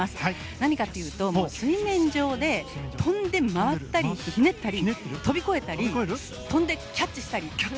何かというと、水面上で飛んで、回ったりひねったり、飛び越えたり飛んでキャッチしたり。